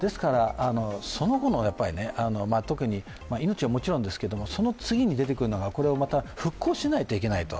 その後の、特に命はもちろんですけれども、その次に出てくるのが、復興しないといけないと。